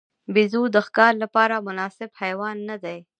بیزو د ښکار لپاره مناسب حیوان نه دی.